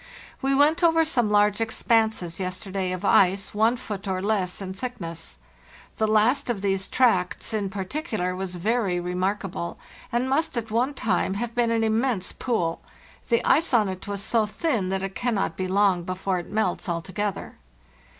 We went over some large expanses yesterday of ice one foot or less in thick ness. The last of these tracts in particular was very remarkable, and must at one time have been an immense pool; the ice on it was so thin that it cannot be long before it melts altogether.